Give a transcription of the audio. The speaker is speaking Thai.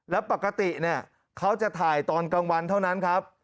แล้วปกติเนี่ยเขาจะถ่ายตอนกลางวันเท่านั้นครับ